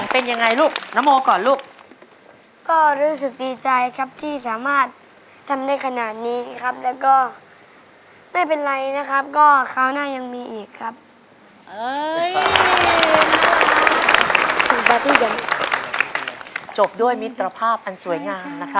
เป็นยังไงลูกน้าโมก่อนลูก